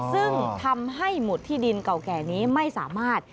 ซึ่งทำให้หมุดที่ดินเก่าแก่นี้ไม่สามารถ